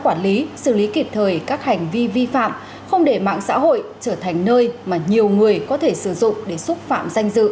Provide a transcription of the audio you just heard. quản lý xử lý kịp thời các hành vi vi phạm không để mạng xã hội trở thành nơi mà nhiều người có thể sử dụng để xúc phạm danh dự